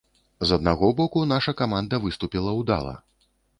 З аднаго боку, наша каманда выступіла ўдала.